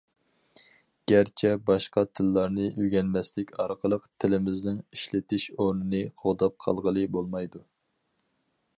گەرچە باشقا تىللارنى ئۆگەنمەسلىك ئارقىلىق تىلىمىزنىڭ ئىشلىتىش ئورنىنى قوغداپ قالغىلى بولمايدۇ.